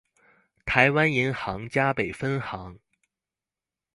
臺灣銀行嘉北分行